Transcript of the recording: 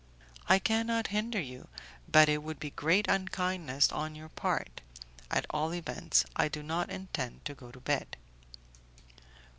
"I cannot hinder you, but it would be great unkindness on your part. At all events, I do not intend to go to bed."